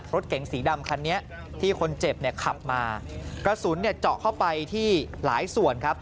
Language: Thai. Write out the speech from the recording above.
รถเก๋งสีดำคันนี้ที่คนเจ็บเนี่ยขับมากระสุนเนี่ยเจาะเข้าไปที่หลายส่วนครับ